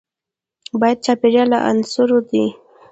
باد د چاپېریال له عناصرو دی